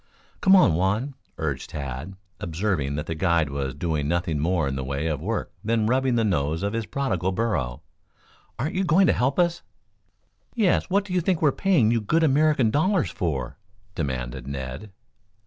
"Come, come, Juan!" urged Tad, observing that the guide was doing nothing more in the way of work than rubbing the nose of his prodigal burro. "Aren't you going to help us?" "Yes; what do you think we're paying you good American dollars for?" demanded Ned.